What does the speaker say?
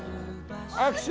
握手！